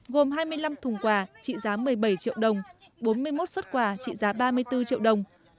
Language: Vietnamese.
gồm hai mươi năm thùng quà trị giá một mươi bảy triệu đồng bốn mươi một xuất quà trị giá ba mươi bốn triệu đồng